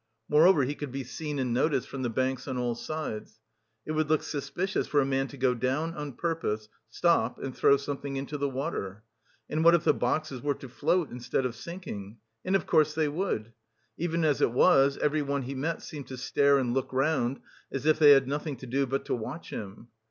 Moreover he could be seen and noticed from the banks on all sides; it would look suspicious for a man to go down on purpose, stop, and throw something into the water. And what if the boxes were to float instead of sinking? And of course they would. Even as it was, everyone he met seemed to stare and look round, as if they had nothing to do but to watch him.